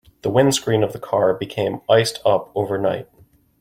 The windscreen of the car became iced up overnight.